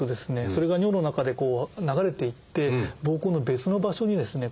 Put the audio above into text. それが尿の中で流れていって膀胱の別の場所にですね